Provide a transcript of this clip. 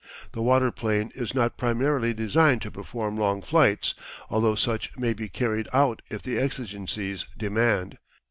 The waterplane is not primarily designed to perform long flights, although such may be carried out if the exigencies demand.